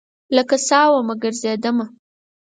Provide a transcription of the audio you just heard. لکه سا وم ګرزیدمه